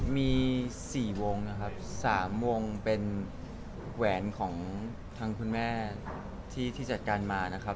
มี๔วงนะครับ๓วงเป็นแหวนของทางคุณแม่ที่จัดการมานะครับ